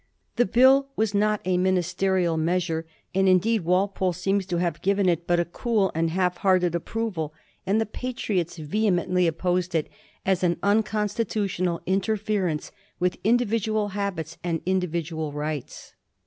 The Bill was not a ministerial meas ure, and indeed Walpole seems to have given it but a cool and half hearted approval, and the Patriots vehe mently opposed it as an unconstitutional interference with individual habits and individual rights.